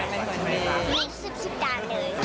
มี๑๐ด่านเลย